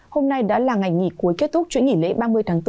hôm nay đã là ngày nghỉ cuối kết thúc chuyển nghỉ lễ ba mươi tháng bốn